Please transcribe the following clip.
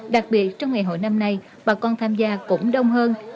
đặc biệt trong ngày hội năm nay bà con tham gia cũng đông hơn